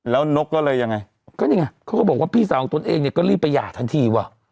แล้วนกก็เลยยังไงก็นี่ไงเขาก็บอกว่าพี่สาวของตนเองเนี่ยก็รีบไปหย่าทันทีว่ะ